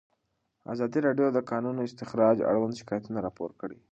ازادي راډیو د د کانونو استخراج اړوند شکایتونه راپور کړي.